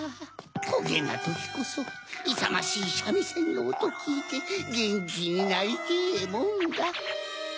こげなときこそいさましいしゃみせんのおときいてゲンキになりてぇもんだ。